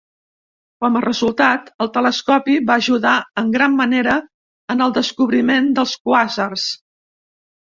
Com a resultat, el telescopi va ajudar en gran manera en el descobriment dels quàsars.